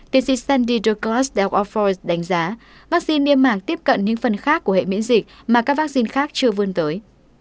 tiến sĩ sandy douglas đại học oxford đánh giá vắc xin niêm mạc tiếp cận những phần khác của hệ miễn dịch mà các vắc xin khác chưa vươn tới